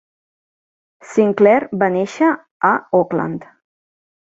Sinclair va néixer a Auckland.